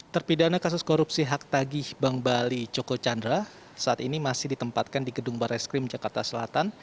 terpidana kasus korupsi hak tagih bank bali joko chandra saat ini masih ditempatkan di gedung barreskrim jakarta selatan